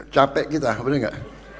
capek kita bener gak